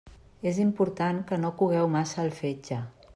És important que no cogueu massa el fetge.